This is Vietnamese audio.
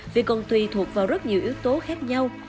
vì còn tùy thuộc vào rất nhiều yếu tố khác nhau